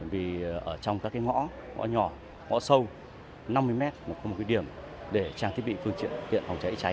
vì ở trong các ngõ nhỏ ngõ sâu năm mươi m là không có điểm để trang thiết bị phương tiện phòng cháy cháy